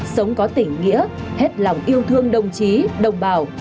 sống có tỉnh nghĩa hết lòng yêu thương đồng chí đồng bào